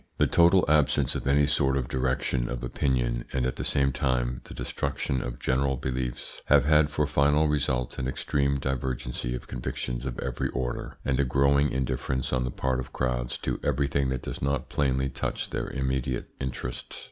This total absence of any sort of direction of opinion, and at the same time the destruction of general beliefs, have had for final result an extreme divergency of convictions of every order, and a growing indifference on the part of crowds to everything that does not plainly touch their immediate interests.